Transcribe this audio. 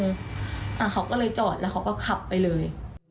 เขาก็เลยจอดแล้วเขาก็ขับไปเลย